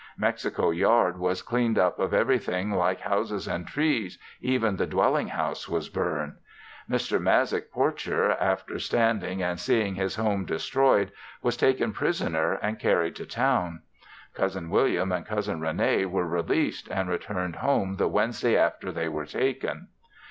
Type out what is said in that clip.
Mexico yard was cleaned up of everything like houses and trees, even the dwelling house was burned. Mr. Mazyck Porcher after standing and seeing his home destroyed was taken prisoner and carried to town. Cousin William and Cousin Rene were released and returned home the Wednesday after they were taken.